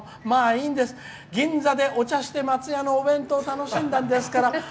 いいんです、銀座でお茶してお弁当を楽しんだんですから。